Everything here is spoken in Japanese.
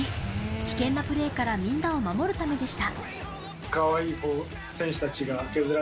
危険なプレーからみんなを守るためでした。